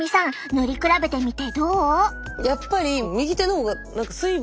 塗り比べてみてどう？